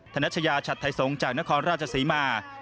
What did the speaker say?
นัชยาชัดไทยสงฆ์จากนครราชศรีมา